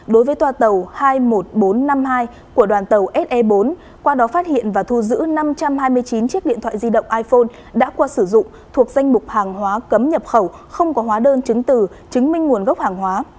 đối với toa tàu hai mươi một nghìn bốn trăm năm mươi hai của đoàn tàu se bốn qua đó phát hiện và thu giữ năm trăm hai mươi chín chiếc điện thoại di động iphone đã qua sử dụng thuộc danh mục hàng hóa cấm nhập khẩu không có hóa đơn chứng từ chứng minh nguồn gốc hàng hóa